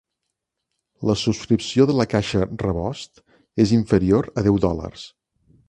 La subscripció de la caixa "rebost" és inferior a deu dòlars.